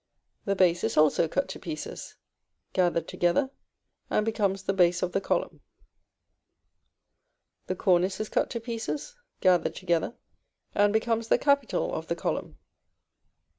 The base is also cut to pieces, gathered together, and becomes the base of the column. The cornice is cut to pieces, gathered together, and becomes the capital of the column.